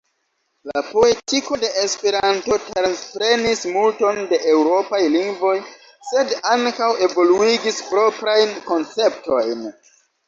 La poetiko de Esperanto transprenis multon de eŭropaj lingvoj, sed ankaŭ evoluigis proprajn konceptojn.